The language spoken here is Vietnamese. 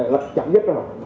là chẳng dứt đâu